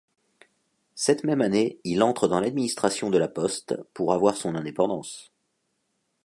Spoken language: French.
Cette même année il entre dans l'Administration de la Poste pour avoir son indépendance.